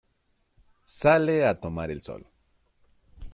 Sale a tomar sol.